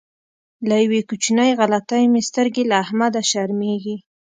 له یوې کوچنۍ غلطۍ مې سترګې له احمده شرمېږي.